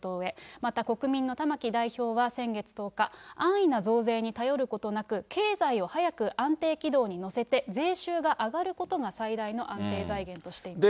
また国民の玉木代表は、先月１０日、安易な増税に頼ることなく、経済を早く安定軌道に乗せて、税収が上がることが最大の安定財源としています。